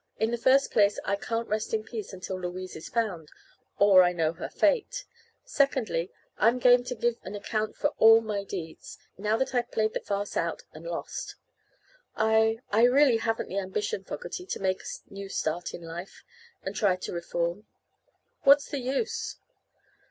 In the first place, I can't rest in peace until Louise is found, or I know her fate. Secondly, I'm game to give an account for all my deeds, now that I've played the farce out, and lost. I I really haven't the ambition, Fogerty, to make a new start in life, and try to reform. What's the use?"